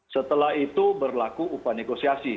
setelah itu berlaku upah negosiasi